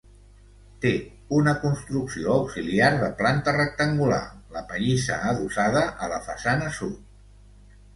Té una construcció auxiliar de planta rectangular, la pallissa, adossada a la façana sud.